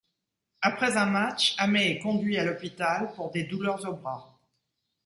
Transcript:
Après un match, Ameh est conduit à l'hôpital pour des douleurs au bras.